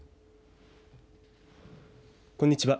こんにちは。